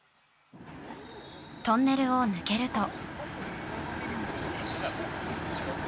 トンネルを抜けると。